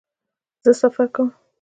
زه سفر کوم